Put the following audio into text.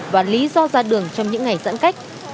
và lý do ra đường trong những ngày giãn cách